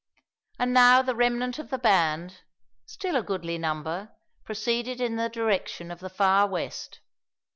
And now the remnant of the band still a goodly number proceeded in the direction of the far west.